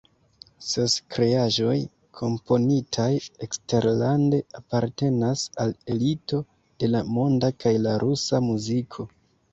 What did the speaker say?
Ses kreaĵoj komponitaj eksterlande apartenas al elito de la monda kaj la rusa muziko.